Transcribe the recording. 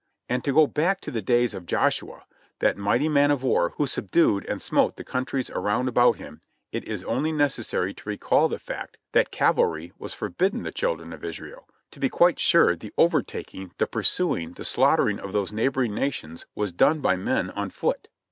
And to go back to the days of Joshua, that mighty man of war who subdued and smote the countries around about him, it is only necessary to recall the fact that cavalry was forbidden the children of Israel, to be quite sure the overtaking, the pursuing, the slaughtering of those neighboring nations was done by men on foot.